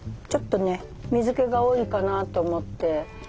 ちょっとね水けが多いかなと思って。